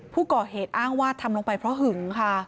ผู้ก่อเหตุอ้างว่าทำลงไปเพราะหึงค่ะ